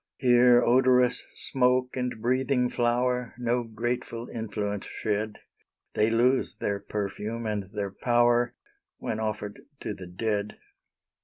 Here odorous smoke and breathing flowerNo grateful influence shed; They lose their perfume and their power, When offered to the dead.